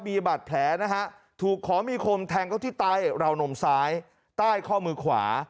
มีบาดแผลนะฮะถูกขอมีคมแทงเขาที่ใต้ราวนมซ้ายใต้ข้อมือขวา